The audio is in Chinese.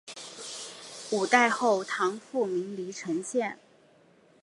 五代后唐复名黎城县。